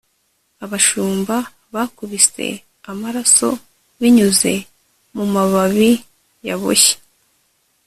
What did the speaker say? abashumba bakubise amaraso binyuze mumababi yaboshye